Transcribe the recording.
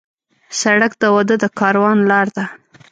سړک د واده د کاروان لار ده.